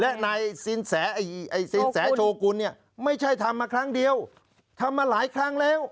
และนายสินแสโชกุลเนี่ยไม่ใช่ทำมาครั้งเดียวทำมาหลายครั้งแล้ว